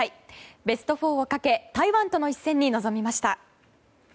ベスト４をかけ台湾との一戦に臨みました。